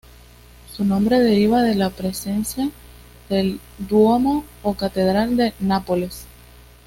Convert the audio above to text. Su nombre deriva de la presencia del "Duomo" o Catedral de Nápoles.